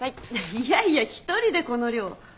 いやいや一人でこの量。